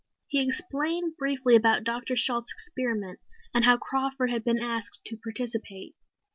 He explained briefly about Dr. Shalt's experiment and how Crawford had been asked to participate.